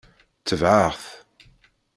Tebɛeɣ-t.